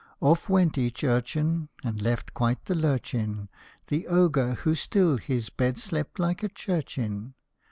Off went each urchin, And left quite the lurch in The Ogre, who still his bed slept like a church in.